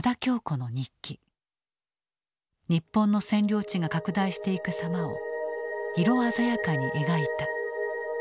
日本の占領地が拡大していく様を色鮮やかに描いた。